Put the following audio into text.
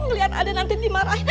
ngeliat ada nanti dimarahin